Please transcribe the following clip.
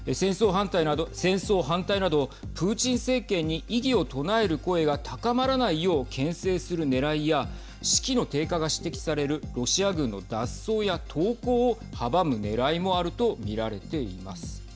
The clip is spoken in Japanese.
戦争反対などプーチン政権に異議を唱える声が高まらないようけん制するねらいや士気の低下が指摘されるロシア軍の脱走や投降を阻むねらいもあると見られています。